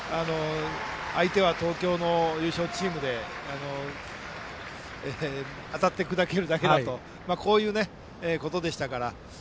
相手は東京の優勝チームで当たって砕けるだけだとこういうことでしたから。